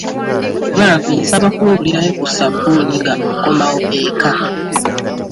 Bambi nsaba kungulirayo ku sabbuuni nga okomawo eka.